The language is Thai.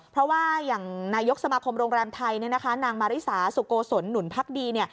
เพราะว่าอย่างนายกสมาคมโรงแรมไทยนางมาริสาสุโกศลหนุนพักดี